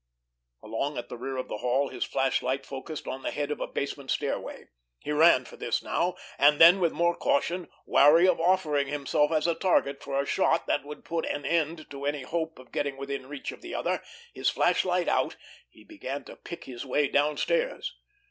Along at the rear of the hall his flashlight focused on the head of a basement stairway. He ran for this now; and then, with more caution, wary of offering himself as a target for a shot that would put an end to any hope of getting within reach of the other, his flashlight out, he began to pick his way downstairs.